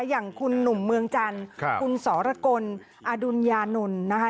อย่างคุณหนุ่มเมืองจันทร์คุณสรกลอดุญญานนท์นะคะ